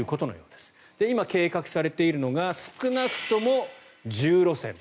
今、計画されているのが少なくとも１０路線。